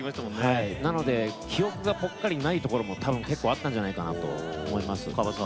記憶がポッカリないところも結構あるんじゃないかなと思います。